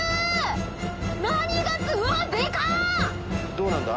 どうなんだ？